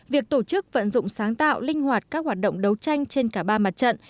việc tổ chức vận dụng sáng tạo linh hoạt các hoạt động đấu tranh trên cả ba mặt trận